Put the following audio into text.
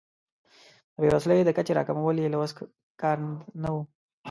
د بیوزلۍ د کچې راکمول یې له وس کار نه و.